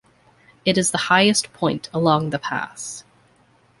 It is the highest point along the pass.